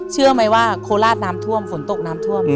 เชื่อไหมว่าโคราชน้ำท่วมฝนตกน้ำท่วม